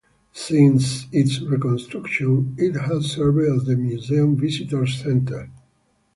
Since its reconstruction, it has served as the museum's visitor center.